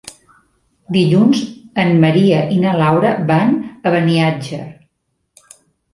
Dilluns en Maria i na Laura van a Beniatjar.